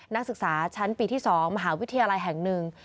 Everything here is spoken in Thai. นักศึกษาชั้นปีที่๒มหาวิทยาลัยแห่งหนึ่ง